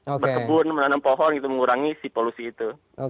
berkebun menanam pohon itu mengurangi si polusi itu